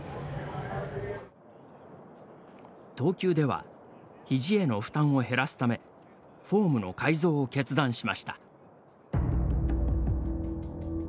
投球では、ひじへの負担を減らすためフォームの改造を決断しました。